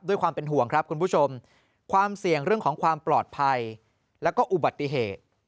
ด้วยความเป็นห่วงครับคุณผู้ชมความเสี่ยงเรื่องของความปลอดภัยแล้วก็อุบัติเหตุ